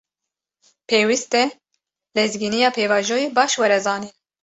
Pêwîst e lezgîniya pêvajoyê, baş were zanîn